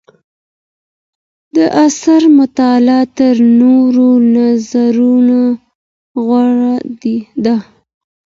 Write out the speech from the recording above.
د اثر مطالعه تر نورو نظرونو غوره ده.